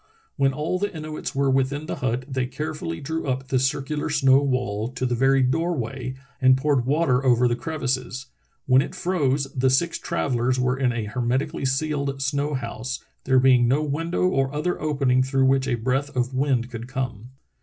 When all the Inuits were within the hut they carefully drew up the circular snow wall to the very door way and poured water over the crevices. When it froze the six travellers were in a hermetically sealed snow house, there being no window or other opening through which a breath of wind could come.